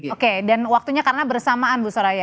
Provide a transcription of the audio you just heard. oke dan waktunya karena bersamaan bu soraya